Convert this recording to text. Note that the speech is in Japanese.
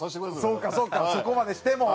そうかそうかそこまでしても？